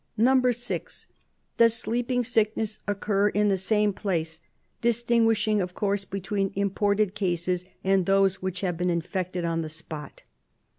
(6) Does sleeping sickness occur in the same place, distinguishing, of course, between imported cases and those which have been infected on the spot?